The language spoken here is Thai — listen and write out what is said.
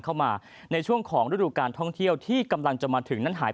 เข้ามาในช่วงของฤดูการท่องเที่ยวที่กำลังจะมาถึงนั้นหาย